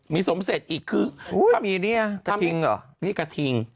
มีสมเศษอีกคือมีกระทิง